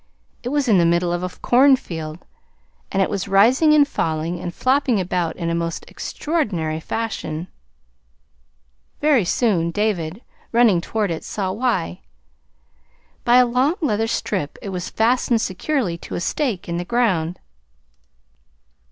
It was in the middle of a cornfield, and it was rising and falling and flopping about in a most extraordinary fashion. Very soon David, running toward it, saw why. By a long leather strip it was fastened securely to a stake in the ground.